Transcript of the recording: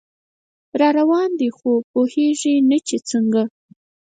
راروان دی خو پوهیږي نه چې څنګه